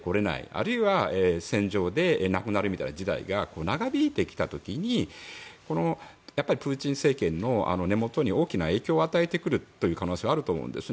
あるいは戦場で亡くなるみたいな自体が長引いてきた時にプーチン政権の根元に大きな影響を与える可能性があると思います。